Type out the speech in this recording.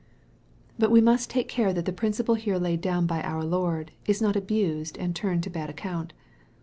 But we must take care that the principle here laid down by our Lord, is not abused and turned to bad account.